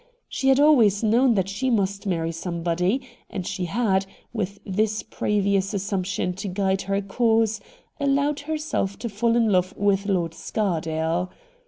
She had always known that she must marry some body, and she had, with this previous assump tion to guide her course, allowed herself to fall in love with Lord Scardale.